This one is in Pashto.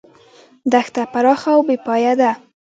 دښته پراخه او بې پایه ده.